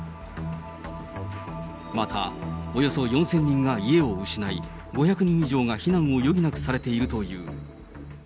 また、およそ４０００人が家を失い、５００人以上が避難を余儀なくされているという。